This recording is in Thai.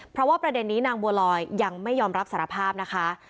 เพราะว่าประเด็นนี้นางบัวลอยยังไม่ยอมรับสารภาพนะคะ